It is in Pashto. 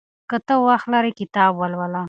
که ته وخت لرې کتاب ولوله.